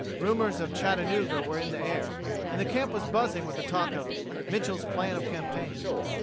Rumors of Chattanooga were in the air, and the camp was buzzing with talk of "Mitchel's plan of campaign."